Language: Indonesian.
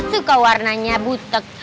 tapi saya gak suka warnanya buteg